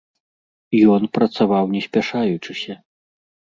Ён працаваў не спяшаючыся.